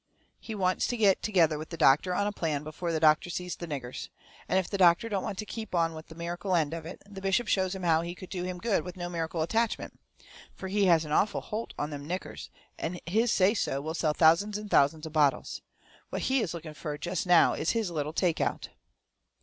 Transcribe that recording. He wants to get together with the doctor on a plan before the doctor sees the niggers. And if the doctor don't want to keep on with the miracle end of it, the bishop shows him how he could do him good with no miracle attachment. Fur he has an awful holt on them niggers, and his say so will sell thousands and thousands of bottles. What he is looking fur jest now is his little take out.